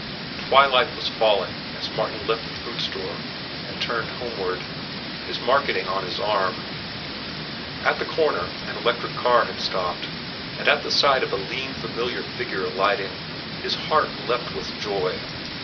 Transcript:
Twilight was falling as Martin left the fruit store and turned homeward, his marketing on his arm. At the corner an electric car had stopped, and at sight of a lean, familiar figure alighting, his heart leapt with joy.